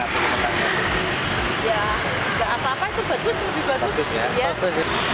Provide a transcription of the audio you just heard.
gak apa apa itu bagus